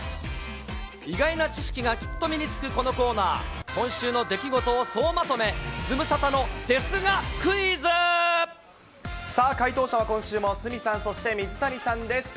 意外な知識がきっと身につくこのコーナー、今週の出来事を総まとさあ、解答者は今週も鷲見さん、そして水谷さんです。